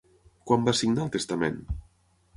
Quan va signar el testament?